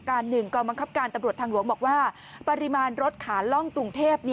๑กองบังคับการตำรวจทางหลวงบอกว่าปริมาณรถขาล่องกรุงเทพ